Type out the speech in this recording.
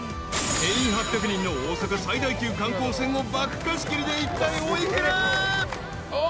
［定員８００人の大阪最大級観光船を爆貸し切りでいったいお幾ら？］